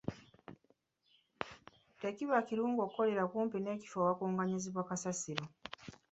Tekiba kirungi okukolera okumpi n'ekifo awakungaanyizibwa kasasiro.